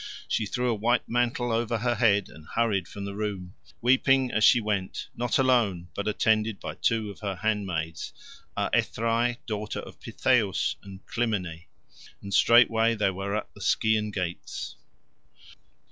She threw a white mantle over her head, and hurried from her room, weeping as she went, not alone, but attended by two of her handmaids, Aethrae, daughter of Pittheus, and Clymene. And straightway they were at the Scaean gates.